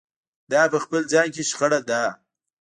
دا په خپل ځان کې شخړه ده.